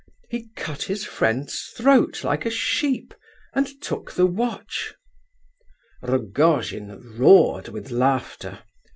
he cut his friend's throat like a sheep, and took the watch." Rogojin roared with laughter.